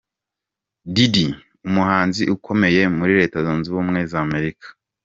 Diddy umuhanzi ukomeye muri Leta Zunze Ubumwe za Amerika.